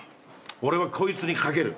俺はこいつに懸ける。